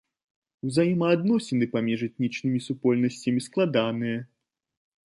Узаемаадносіны паміж этнічнымі супольнасцямі складаныя.